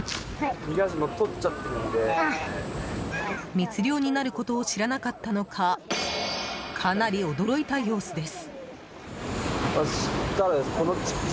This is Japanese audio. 密漁になることを知らなかったのかかなり驚いた様子です。